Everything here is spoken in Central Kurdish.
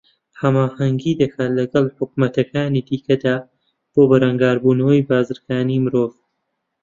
ھەماھەنگی دەکات لەگەڵ حوکمەتەکانی دیکەدا بۆ بەرەنگاربوونەوەی بازرگانیی مرۆڤ